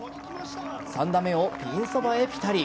３打目をピンそばへピタリ。